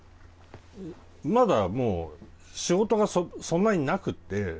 まだ仕事がそんなになくて。